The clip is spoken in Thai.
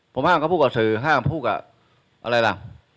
ผมห้ามเขาพูดกับสื่อห้ามพูดกับอะไรล่ะ